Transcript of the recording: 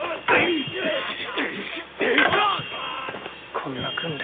こんな訓練